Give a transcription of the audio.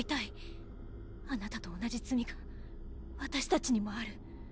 あなたと同じ罪が私たちにもある。